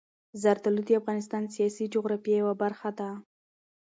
زردالو د افغانستان د سیاسي جغرافیې یوه برخه ده.